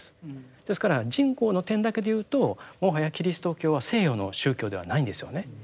ですから人口の点だけでいうともはやキリスト教は西洋の宗教ではないんですよね。